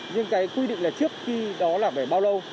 nhưng cái quy định là trước khi đó là về bao lâu